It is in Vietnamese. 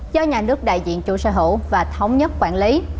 do nhà nước đại diện chủ sở hữu và thống nhất quản lý